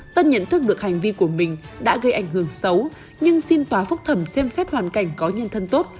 tân nhận thức được hành vi của mình đã gây ảnh hưởng xấu nhưng xin tòa phúc thẩm xem xét hoàn cảnh có nhân thân tốt